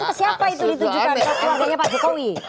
itu siapa itu ditujukan keluarganya pak jokowi